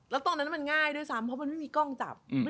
แล้วตรงนั้นมันง่ายด้วยซ้ำเพราะมันไม่มีกล้องจับ